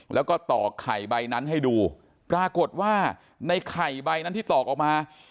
แล้วก็ตอกไข่ใบนั้นให้ดูปรากฏว่าในไข่ใบนั้นที่ตอกออกมา